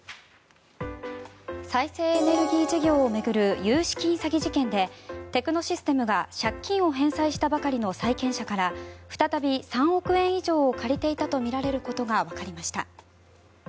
再生エネルギー事業を巡る、融資金詐欺事件でテクノシステムが借金を返済したばかりの債権者から再び３億円以上を借りていたとみられることがわかりました。